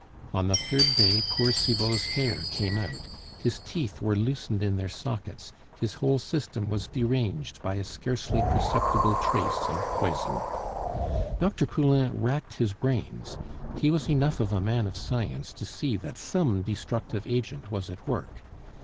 On the third day poor Cibot's hair came out, his teeth were loosened in their sockets, his whole system was deranged by a scarcely perceptible trace of poison. Dr. Poulain racked his brains. He was enough of a man of science to see that some destructive agent was at work.